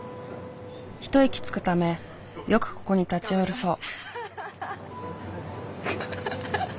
一息つくためよくここに立ち寄るそう。